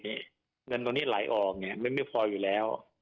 เงินตรงนี้ไหลออกไม่พออยู่แล้ว